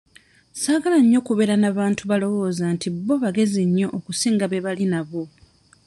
Saagala nnyo kubeera na bantu balowooza nti bbo bagezi nnyo okusinga be bali nabo.